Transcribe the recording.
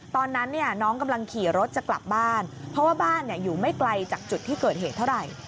ตอนนั้นน้องกำลังขี่รถจะกลับบ้านเพราะว่าบ้านอยู่ไม่ไกลจากจุดที่เกิดเหตุเท่าไหร่